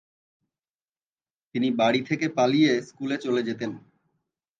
তিনি বাড়ী থেকে পালিয়ে স্কুলে চলে যেতেন।